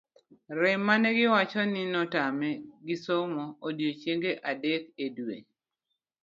rem mane giwacho ni netamo gi somo odiochieng'e adek e dwe